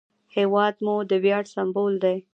هېواد مو د ویاړ سمبول دی